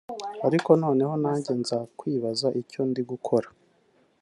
ariko noneho nanjye nza kwibaza icyo ndi gukora